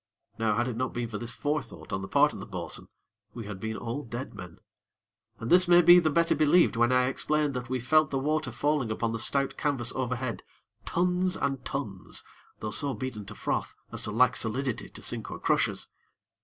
Now had it not been for this forethought on the part of the bo'sun we had been all dead men; and this may be the better believed when I explain that we felt the water falling upon the stout canvas overhead, tons and tons, though so beaten to froth as to lack solidity to sink or crush us.